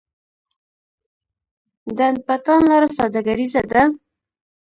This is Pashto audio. ډنډ پټان لاره سوداګریزه ده؟